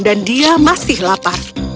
dan dia masih lapar